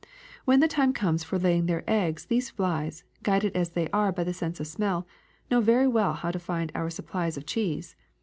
When the time comes for laying their eggs these flies, guided as they are by the sense of smell, know very well how to find our supplies of cheese.